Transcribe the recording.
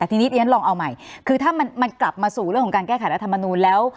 แต่ทีนี้เรียนลองเอาใหม่คือถ้ามันกลับมาสู่เรื่องของการแก้ไขรัฐมนูลแล้ว